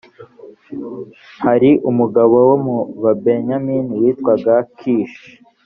hari umugabo wo mu babenyamini witwaga kishi